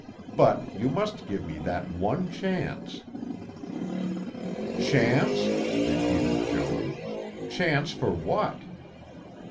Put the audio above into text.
But you must give me that one chance." "Chance?" repeated Joan. "Chance for what?"